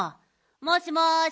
もしもし！